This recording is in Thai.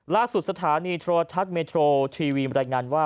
สถานีโทรทัศน์เมโทรทีวีบรรยายงานว่า